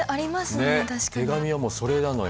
ねっ手紙はもうそれなのよ。